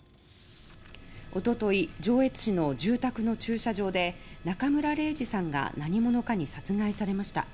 一昨日、上越市の住宅の駐車場で中村礼治さんが何者かに殺害されました。